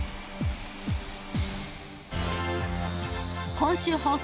［今週放送。